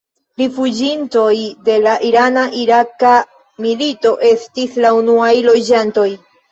Rifuĝintoj de la irana-iraka milito estis la unuaj loĝantoj.